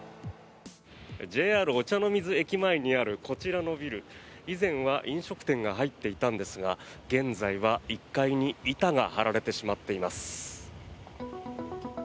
ＪＲ御茶ノ水駅前にあるこちらのビル以前は飲食店が入っていたんですが現在は１階に板が張られてしまっています。